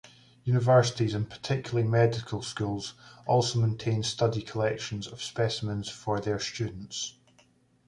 Universities and particularly medical schools also maintained study collections of specimens for their students.